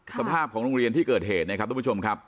สภาพของโรงเรียนที่เกิดเหตุนะครับทุกผู้ชมครับ